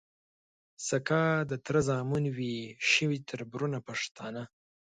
سکه د تره زامن وي شي تــربـــرونـه پښتانه